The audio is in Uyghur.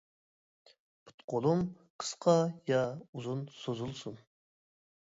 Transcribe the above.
پۇت قولۇم قىسقا يا ئۇزۇن سوزۇلسۇن.